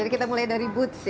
jadi kita mulai dari boots ya